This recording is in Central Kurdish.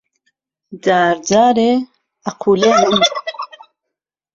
جار جارێ ئەقوولێنن